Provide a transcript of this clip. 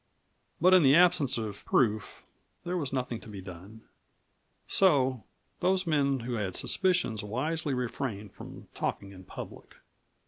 But in the absence of proof there was nothing to be done. So those men who held suspicions wisely refrained from talking in public.